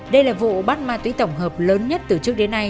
đây là vụ bắt ma túy tổng hợp lớn nhất từ trước đến nay